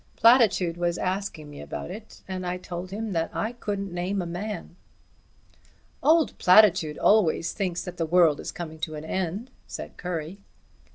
Platitude was asking me about it, and I told him that I couldn't name a man." "Old Platitude always thinks that the world is coming to an end," said Currie.